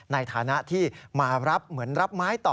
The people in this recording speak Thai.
ในฐานะที่มารับเหมือนรับไม้ต่อ